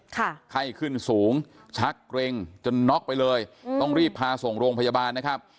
ไข้ขึ้นสูงชักเกร็งจนน็อกไปเลยอืมต้องรีบพาส่งโรงพยาบาลนะครับ